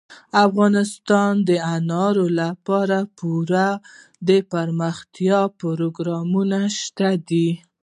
افغانستان کې د انارو لپاره پوره دپرمختیا پروګرامونه شته دي.